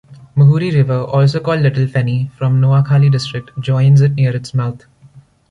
Muhuri River, also called Little Feni, from Noakhali District joins it near its mouth.